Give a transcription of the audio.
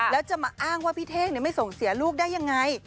แล้วจะมาอ้างว่าพี่เท่งไม่ส่งเสียลูกได้ยังไง